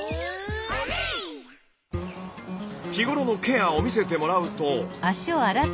日頃のケアを見せてもらうと。